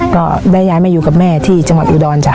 ก็ได้ย้ายมาอยู่กับแม่ที่จังหวัดอุดรจ้